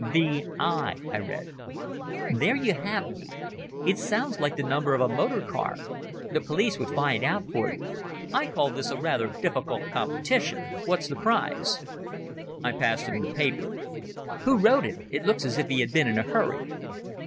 "V. I," I read. "There you have me. It sounds like the number of a motor car. The police would find out for you. I call this rather a difficult competition. What's the prize?" I passed him the paper. "Who wrote it? It looks as if he had been in a hurry."